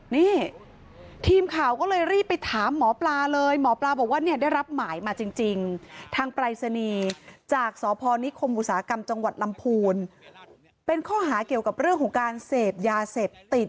นี่ทีมข่าวก็เลยรีบไปถามหมอปลาเลยหมอปลาบอกว่าเนี่ยได้รับหมายมาจริงทางปรายศนีย์จากสพนิคมอุตสาหกรรมจังหวัดลำพูนเป็นข้อหาเกี่ยวกับเรื่องของการเสพยาเสพติด